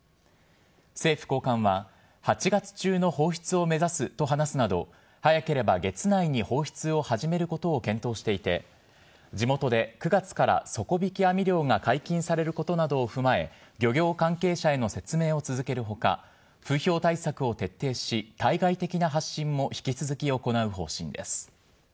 政府高官は、８月中の放出を目指すと話すなど、早ければ月内に放出を始めることを検討していて、地元で９月から底引き網漁が解禁されることなどを踏まえ、漁業関係者への説明を続けるほか、風評対策を徹底し、対外的な発信も引き続き行う方針です。